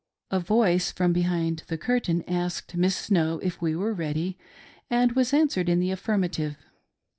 A voice from behind the curtain asked Miss Snow if we were ready, and was answered in the affirmative.